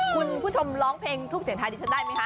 คุณผู้ชมร้องเพลงทุกขนาดไทยดีฉันได้มั้ยคะ